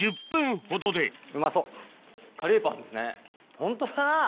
ホントだな。